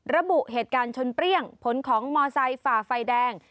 ระบุเหตุการณ์ชนเปรี้ยงผลของมอไซค์ฝ่าไฟแดง